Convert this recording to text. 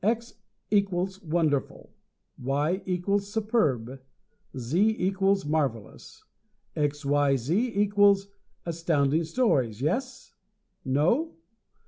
X equals wonderful. Y equals superb. Z equals marvelous. XYZ equals Astounding Stories. Yes? No?